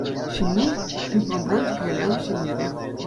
Ҫӗнни – «Химпромран» хӗвеланӑҫ еннерех.